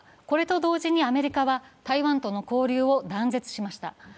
これと同時にアメリカは台湾との交流を断絶しました。